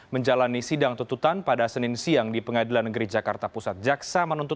menjalani sidang tututan pada senin siang di pengadilan negeri jakarta pusat jaksa menuntut